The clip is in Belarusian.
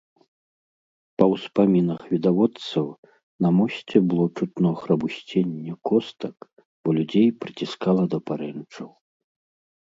Па ўспамінах відавочцаў, на мосце было чутно храбусценне костак, бо людзей прыціскала да парэнчаў.